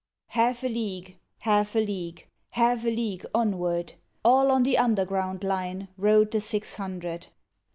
Half a league, half a league. Half a league onward, All on the underground line Rode the six hundred.